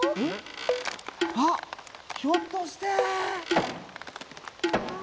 あっひょっとして。